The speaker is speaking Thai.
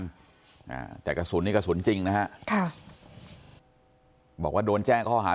อ่าแต่กระสุนนี่กระสุนจริงนะฮะค่ะบอกว่าโดนแจ้งข้อหา